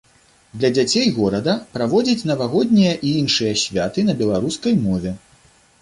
Для дзяцей горада праводзіць навагоднія і іншыя святы на беларускай мове.